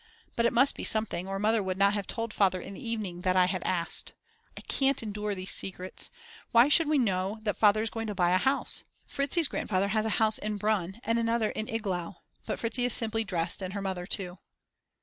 But it must be something, or Mother would not have told Father in the evening that I had asked. I can't endure these secrets. Why shouldn't we know that Father's going to buy a house. Fritzi's grandfather has a house in Brunn and another in Iglau. But Fritzi is very simply dressed and her mother too.